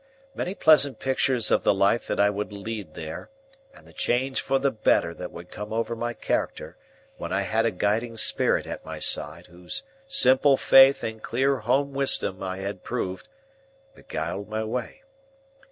Many pleasant pictures of the life that I would lead there, and of the change for the better that would come over my character when I had a guiding spirit at my side whose simple faith and clear home wisdom I had proved, beguiled my way.